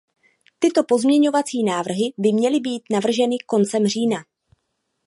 Tyto pozměňovací návrhy by měly být navrženy koncem října.